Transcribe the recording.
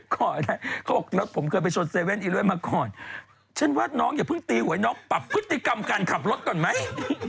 ขอได้เขาบอกแล้วผมเคยไปชน๗๑๑มาก่อนฉันว่าน้องอย่าเพิ่งตีหวยน้องปรับพฤติกรรมการขับรถก่อนไหม